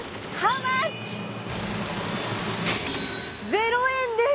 ０円です！